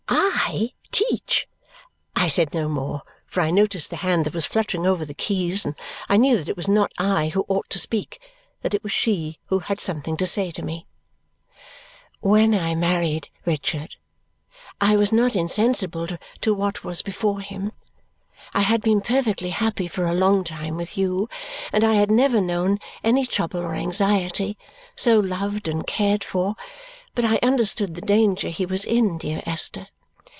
I teach! I said no more, for I noticed the hand that was fluttering over the keys, and I knew that it was not I who ought to speak, that it was she who had something to say to me. "When I married Richard I was not insensible to what was before him. I had been perfectly happy for a long time with you, and I had never known any trouble or anxiety, so loved and cared for, but I understood the danger he was in, dear Esther."